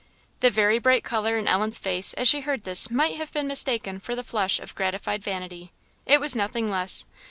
The very bright colour in Ellen's face as she heard this might have been mistaken for the flush of gratified vanity: it was nothing less.